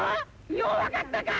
ようわかったか！